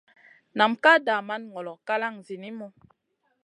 Nam ka daman ŋolo kalang zinimu.